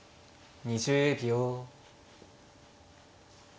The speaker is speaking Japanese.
２０秒。